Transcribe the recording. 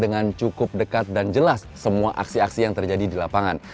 dengan cukup dekat dan jelas semua aksi aksi yang terjadi di lapangan